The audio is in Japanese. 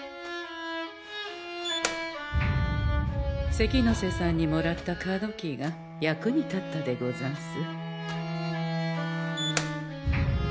関ノ瀬さんにもらったカードキーが役に立ったでござんす。